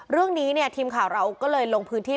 เรื่องนี้เนี่ยทีมข่าวเราก็เลยลงพื้นที่